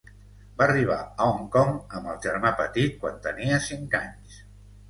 Va arribar a Hong Kong amb el germà petit quan tenia cinc anys.